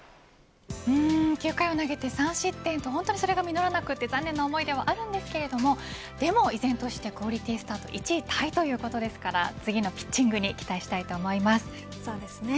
９回を投げて３失点と本当にそれが実らなくて残念な思いではあるんですけれどもでも依然としてクオリティースタート１位タイということですから次のピッチングにそうですね。